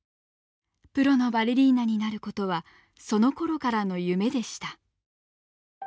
プロのバレリーナになることはそのころからの夢でした。